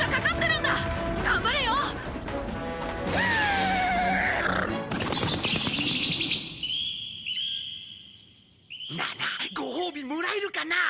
なあなあご褒美もらえるかな？